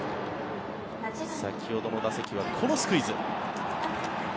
先ほどの打席はこのスクイズ。